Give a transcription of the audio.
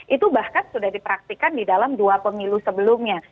itu bahkan sudah dipraktikan di dalam dua pemilu sebelumnya